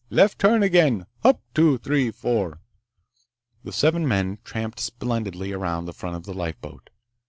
Left turn again, Hup, two, three, four—" The seven men tramped splendidly around the front of the lifeboat.